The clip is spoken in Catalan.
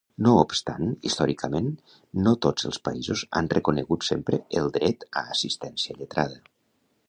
No obstant, històricament, no tots els països han reconegut sempre el dret a assistència lletrada.